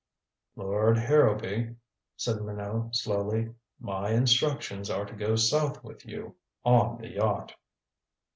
"Lord Harrowby," said Minot slowly, "my instructions are to go south with you on the yacht."